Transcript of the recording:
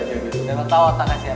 udah tau otaknya siapa